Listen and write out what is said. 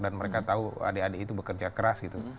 dan mereka tahu adik adik itu bekerja keras gitu